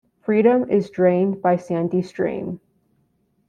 Freedom is drained by Sandy Stream.